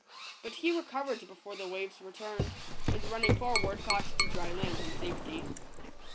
But he recovered before the waves returned, and running forward, got to dry land in safety.